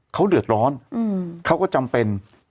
เขาเดือดร้อนเขาก็จำเป็น